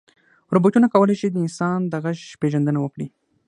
روبوټونه کولی شي د انسان د غږ پېژندنه وکړي.